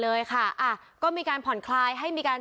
เพราะว่าตอนนี้จริงสมุทรสาของเนี่ยลดระดับลงมาแล้วกลายเป็นพื้นที่สีส้ม